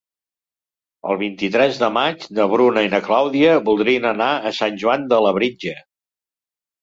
El vint-i-tres de maig na Bruna i na Clàudia voldrien anar a Sant Joan de Labritja.